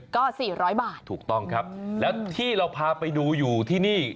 ก็๔๐๐บาทถูกต้องครับแล้วที่เราพาไปดูอยู่ที่นี่